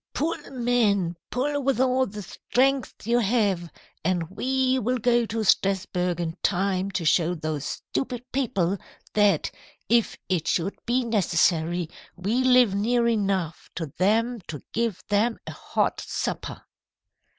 "'Pull, men! Pull with all the strength you have, and we will go to Strasburg in time to show those stupid people that, if it should be necessary, we live near enough to them to give them a hot supper.'